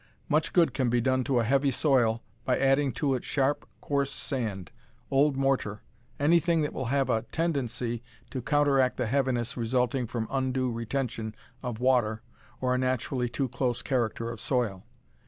Much good can be done to a heavy soil by adding to it sharp, coarse sand, old mortar anything that will have a tendency to counteract the heaviness resulting from undue retention of water or a naturally too close character of soil.